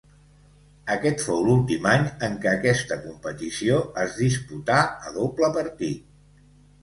Aquest fou l'últim any en què aquesta competició es disputà a doble partit.